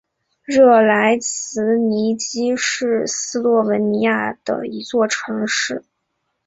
热莱兹尼基是斯洛文尼亚的一座城市。